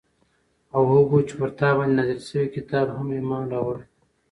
او هغو چې پر تا باندي نازل شوي كتاب هم ايمان راوړي